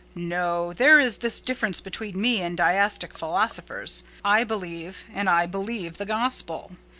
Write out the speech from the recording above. "No. There is this difference between me and deistic philosophers: I believe; and I believe the Gospel.